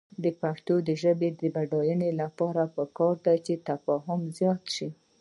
د پښتو ژبې د بډاینې لپاره پکار ده چې تفاهم زیات شي.